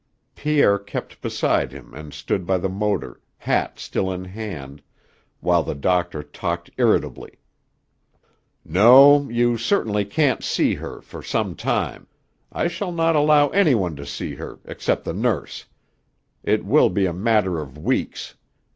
Pierre kept beside him and stood by the motor, hat still in his hand, while the doctor talked irritably: "No. You certainly can't see her, for some time. I shall not allow any one to see her, except the nurse. It will be a matter of weeks.